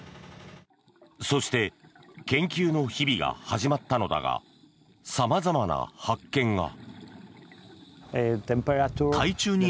そして研究の日々が始まったのだが様々な発見が。